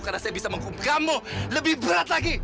karena saya bisa menghukum kamu lebih berat lagi